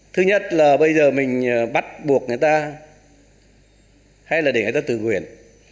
thứ nhất là bây giờ mình bắt buộc người ta hay là để người ta tự nguyện